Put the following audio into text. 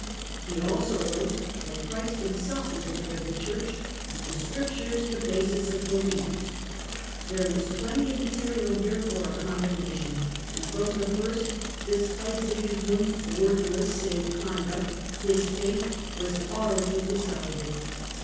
He also wrote that Christ Him self was the Head of the Church and the Scriptures the basis of belief. There was plenty of material here for a condemnation, and from the first, despite Sigis mund's worthless safe conduct, his fate was already de 160 THE END OF THE MIDDLE AGE Trial of cided.